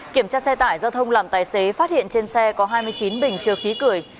kiểm tra xe tải giao thông làm tài xế phát hiện trên xe có hai mươi chín bình chứa khí cười